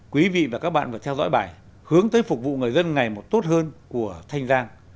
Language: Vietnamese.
quý vị và các bạn vừa theo dõi bài hướng tới phục vụ người dân ngày một tốt hơn của thanh giang